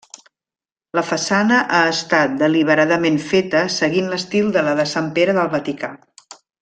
La façana ha estat deliberadament feta seguint l'estil de la de Sant Pere del Vaticà.